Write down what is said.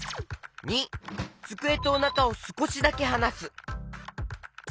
②つくえとおなかをすこしだけはなす。